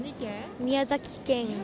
宮崎県。